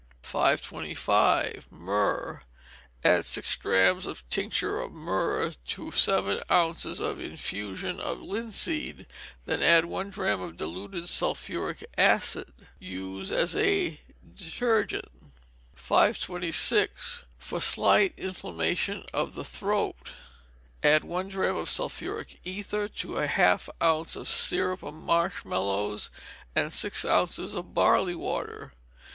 525. Myrrh. Add six drachms of tincture of myrrh to seven ounces of infusion of linseed, and then add one drachm of diluted sulphuric acid. Use as a detergent. 526. For Slight Inflammation of the Throat. Add one drachm of sulphuric ether to half an ounce of syrup of marsh mallows, and six ounces of barley water.